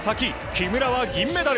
木村は銀メダル。